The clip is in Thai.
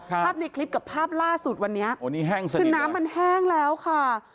ภาพในคลิปกับภาพล่าสุดวันนี้น้ำมันแห้งแล้วค่ะ